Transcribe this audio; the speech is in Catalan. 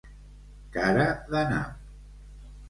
Cara de nap.